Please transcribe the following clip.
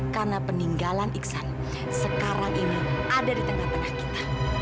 karena peninggalan iksan sekarang ini ada di tengah tengah kita